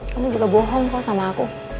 kamu juga bohong kok sama aku